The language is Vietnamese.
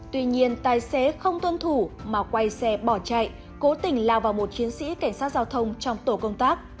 tuy nhiên tài xế không tuân thủ mà quay xe bỏ chạy cố tình lao vào một chiến sĩ cảnh sát giao thông trong tổ công tác